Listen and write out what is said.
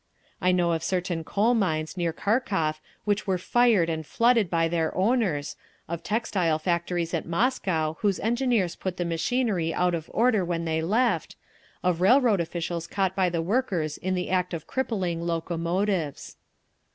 I know of certain coal mines near Kharkov which were fired and flooded by their owners, of textile factories at Moscow whose engineers put the machinery out of order when they left, of railroad officials caught by the workers in the act of crippling locomotives….